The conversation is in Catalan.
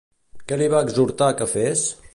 Què li va exhortar que fes?